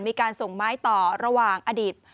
มีการส่งไม้ต่อระหว่างอดีต